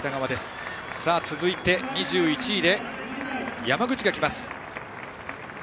続いて２１位で山口が来ます。